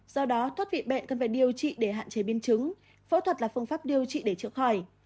do đó thoát vị bệnh cần phải điều trị để hạn chế biến chứng phẫu thuật là phương pháp điều trị để chữa khỏi